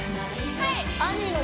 はい！